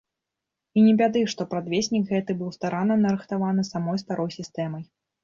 І не бяды, што прадвеснік гэты быў старанна нарыхтаваны самой старой сістэмай.